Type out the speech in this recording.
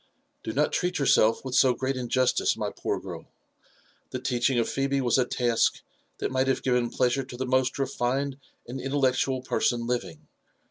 " Do not treat yourself with so great injustice, my poor girl. The teaching Phebe was a task that might have given pleasure to the most refined and intellectual person living.